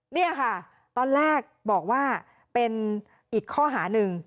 นี่ค่ะตอนแรกบอกว่าเป็นอีกข้อหาหนึ่ง